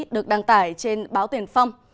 được đăng tải trên báo tuyển phong